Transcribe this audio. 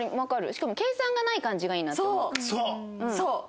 しかも計算がない感じがいいなと思う。